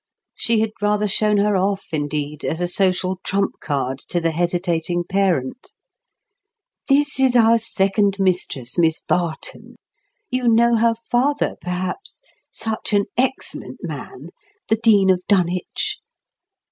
She had rather shown her off, indeed, as a social trump card to the hesitating parent—"This is our second mistress, Miss Barton; you know her father, perhaps; such an excellent man, the Dean of Dunwich."